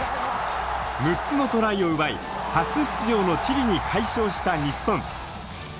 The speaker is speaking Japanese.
６つのトライを奪い初出場のチリに快勝した日本。